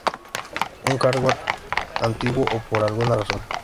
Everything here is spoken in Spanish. Un hardware antiguo, o por alguna otra razón.